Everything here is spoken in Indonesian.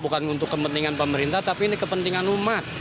bukan untuk kepentingan pemerintah tapi ini kepentingan umat